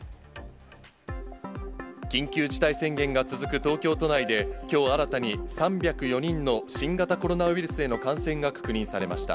緊急事態宣言が続く東京都内で、きょう新たに３０４人の新型コロナウイルスへの感染が確認されました。